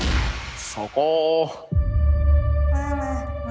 そこ！